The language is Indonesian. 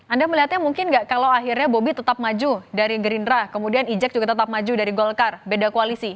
anda melihatnya mungkin nggak kalau akhirnya bobi tetap maju dari gerindra kemudian ejek juga tetap maju dari golkar beda koalisi